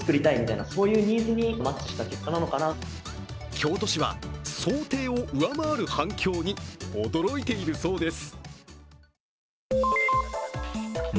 京都市は、想定を上回る反響に驚いているそうです。